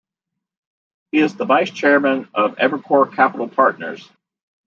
He is the Vice Chairman of Evercore Capital Partners.